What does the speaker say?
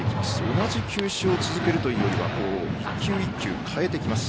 同じ球種を続けるというよりは一球一球、変えてきます。